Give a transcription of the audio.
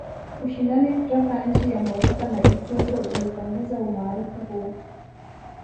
Ushindani kutoka nchi ya Moroko na Ethiopia umepunguza umaarufu huu